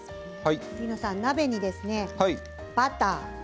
杉野さん、鍋にバター。